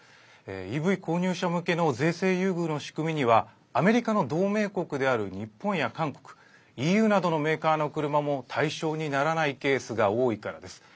ＥＶ購入者向けの税制優遇の仕組みにはアメリカの同盟国である日本や韓国ＥＵなどのメーカーの車も対象にならないケースが多いからです。